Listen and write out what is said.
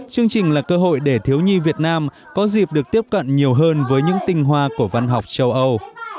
chương trình là cơ hội để thiếu nhi việt nam có dịp được tiếp cận nhiều hơn với những tinh hoa của văn học châu âu